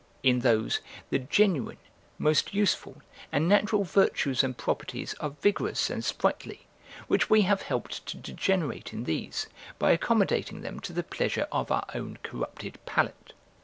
In those, the genuine, most useful, and natural virtues and properties are vigorous and sprightly, which we have helped to degenerate in these, by accommodating them to the pleasure of our own corrupted palate.